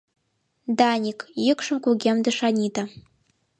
— Даник, — йӱкшым кугемдыш Анита.